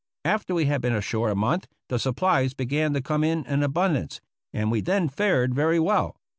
After we had been ashore a month the supplies began to come in in abundance, and we then fared very well.